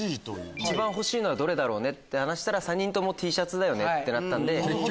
一番欲しいのはどれだろうね？って話したら３人ともＴシャツだよねってなったんで。